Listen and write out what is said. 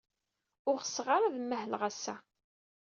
Ur ɣseɣ ara ad mahleɣ ass-a.